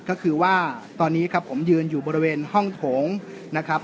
ก็คือว่าตอนนี้ครับผมยืนอยู่บริเวณห้องโถงนะครับ